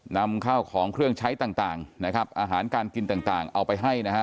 นำข้าวของเครื่องใช้ต่างนะครับอาหารการกินต่างเอาไปให้นะฮะ